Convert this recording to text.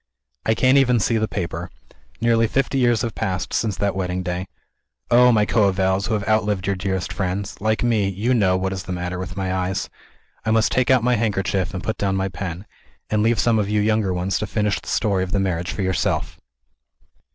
I can't even see the paper. Nearly fifty years have passed, since that wedding day. Oh, my coevals, who have outlived your dearest friends, like me, you know what is the matter with my eyes! I must take out my handkerchief, and put down my pen and leave some of you younger ones to finish the story of the marriage for yourself.